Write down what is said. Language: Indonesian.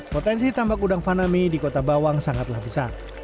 potensi tambak udang fanami di kota bawang sangatlah besar